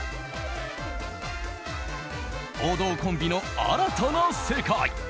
王道コンビの新たな世界。